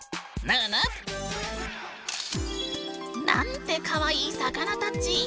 ぬぬ！なんてかわいい魚たち！